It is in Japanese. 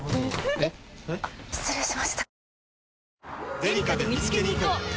あっ失礼しました。